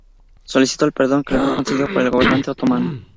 Solicitó el perdón, que le fue concedido por el gobernante otomano.